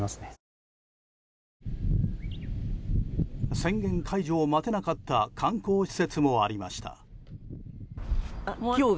宣言解除を待てなかった観光施設もありました。